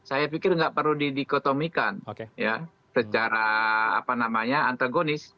saya pikir nggak perlu didikotomikan ya secara apa namanya antagonis